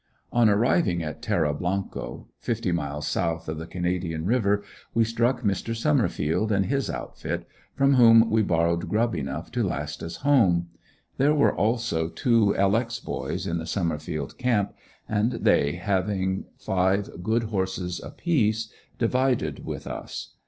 On arriving at Terra Blanco, fifty miles south of the Canadian river we struck Mr. Summerfield, and his outfit, from whom we borrowed grub enough to last us home. There were also two "L. X." boys in the Summerfield camp, and they, having five good horses apiece, divided with us.